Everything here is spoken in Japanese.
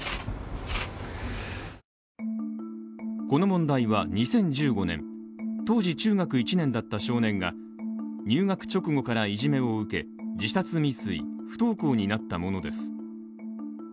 この問題は２０１５年当時中学１年だった少年が、入学直後からいじめを受け自殺未遂、不登校になったものです